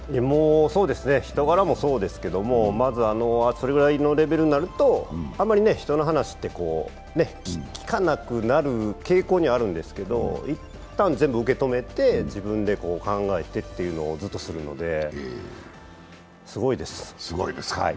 そうですね、人柄もそうですけど、まずそれぐらいのレベルになるとあまり人の話って聞かなくなる傾向にはあるんですけど、一旦全部受け止めて、自分で考えてというのをずっとするのですごいです。